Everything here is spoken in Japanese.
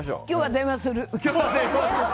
今日は電話する。